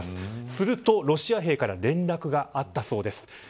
すると、ロシア兵から連絡があったそうです。